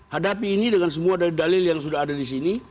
hadapi ini dengan semua dalil dalil yang sudah ada di sini